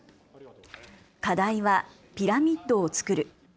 課題はピラミッドをつくる。